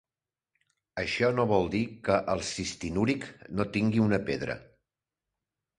Això no vol dir que el cistinúric no tingui una pedra.